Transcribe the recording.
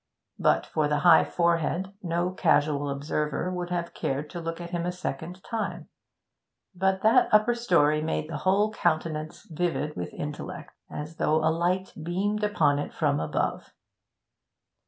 But for the high forehead, no casual observer would have cared to look at him a second time; but that upper story made the whole countenance vivid with intellect, as though a light beamed upon it from above.